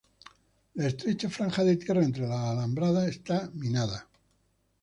La estrecha franja de tierra entre las alambradas está minado.